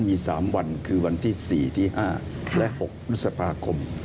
มี๓วันคือวันที่๔ที่๕และ๖พฤษภาคม